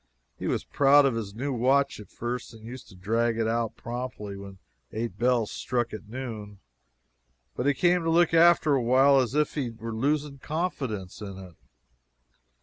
He was proud of his new watch at first and used to drag it out promptly when eight bells struck at noon, but he came to look after a while as if he were losing confidence in it.